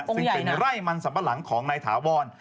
ซึ่งเป็นไร่มันสัมปะหลังของนายถาวร